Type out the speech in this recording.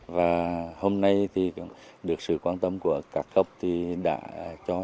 và hôm nay thì được sự quan tâm của các cấp thì đã cho